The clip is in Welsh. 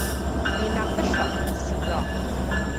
Mi nath y llong suddo.